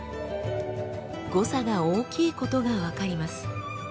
誤差が大きいことが分かります。